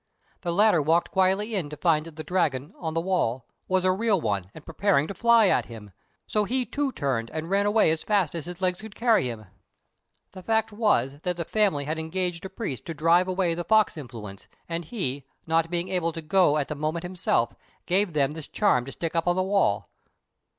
The latter walked quietly in to find that the dragon on the wall was a real one, and preparing to fly at him, so he too turned, and ran away as fast as his legs could carry him. The fact was that the family had engaged a priest to drive away the fox influence; and he, not being able to go at the moment himself, gave them this charm to stick up on the wall.